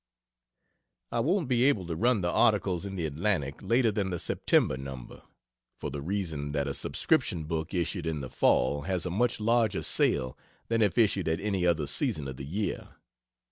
] I won't be able to run the articles in the Atlantic later than the September number, for the reason that a subscription book issued in the fall has a much larger sale than if issued at any other season of the year.